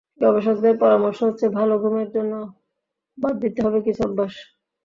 গবেষকদের পরামর্শ হচ্ছে, ভালো ঘুমের জন্য বাদ দিতে হবে কিছু অভ্যাস।